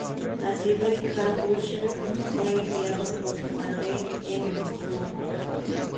Nacido en Karlsruhe, fue criado por su madre en Stuttgart.